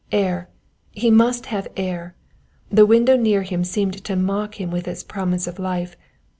Air he must have air. The window near him seemed to mock him with its promise of life.